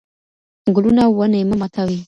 ګلونه او ونې مه ماتوئ.